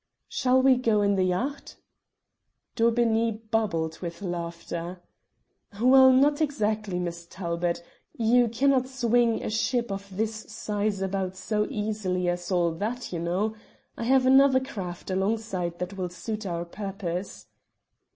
"Shall we go in the yacht?" Daubeney bubbled with laughter. "Well, not exactly, Miss Talbot. You cannot swing a ship of this size about so easily as all that, you know. I have another craft alongside that will suit our purpose."